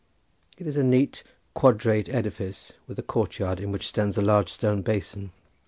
It is a neat quadrate edifice with a courtyard in which stands a large stone basin.